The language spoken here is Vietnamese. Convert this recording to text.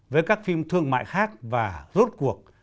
với các phim thương mại khác và rốt cuộc